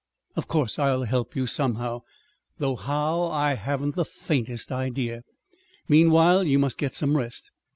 Of course I'll help you somehow. Though how I haven't the faintest idea. Meanwhile you must get some rest.